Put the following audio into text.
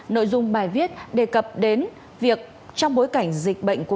nội dung bài viết đề cập đến việc trong bối cảnh dịch bệnh covid một mươi